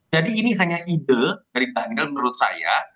jadi ini hanya ide dari daniel menurut saya